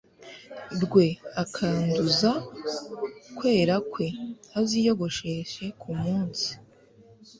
rwe akanduza kwera kwe aziyogosheshe ku munsi